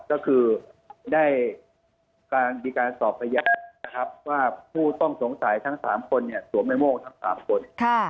ก็คือได้การสอบประยะว่าผู้ต้องสงสัย๓คนสวมแม่โม่ง๓คน